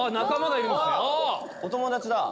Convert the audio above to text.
お友達だ！